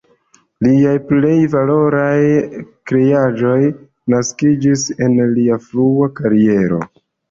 Liaj plej valoraj kreaĵoj naskiĝis en lia frua kariero.